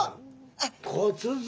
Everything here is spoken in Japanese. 骨髄。